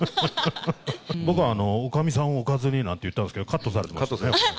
僕は、おかみさんをおかずになんて言ったんですけど、カットされてまし